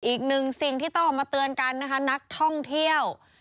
อีกหนึ่งสิ่งที่ต้องออกมาเตือนกันนะคะนักท่องเที่ยว